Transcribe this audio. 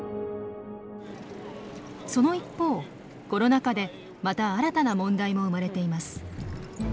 その一方コロナ禍でまた新たな問題も生まれています。